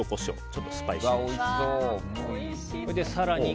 ちょっとスパイシーに。